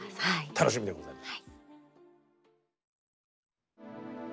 楽しみでございます。